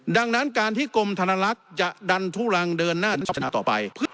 ดังนั้นการที่กลมธนรักษ์จะดันทุลังเดินหน้าต่อไป